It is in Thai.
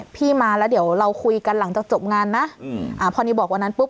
พี่มาแล้วเดี๋ยวเราคุยกันหลังจากจบงานนะอืมอ่าพอนิวบอกวันนั้นปุ๊บ